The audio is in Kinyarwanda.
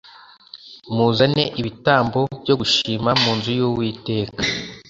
Muzane ibitambo byo gushima mu nzu y’Uwiteka